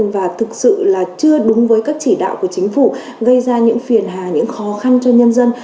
và thực sự là chưa đúng với các chỉ đạo của chính phủ gây ra những phiền hà những khó khăn cho nhân dân